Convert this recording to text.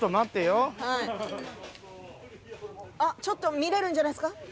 ちょっと見れるんじゃないですか。